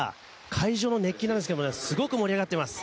会場の熱気なんですけれども、すごく盛り上がっております。